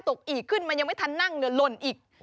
ตกอีกขึ้นมันยังไม่ทันนั่งหล่นอีก